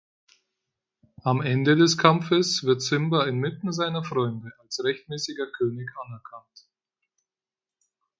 Am Ende des Kampfes wird Simba inmitten seiner Freunde als rechtmäßiger König anerkannt.